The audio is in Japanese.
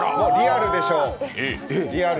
リアルでしょ。